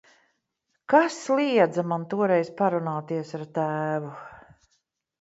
Kas liedza man toreiz parunāties ar tēvu.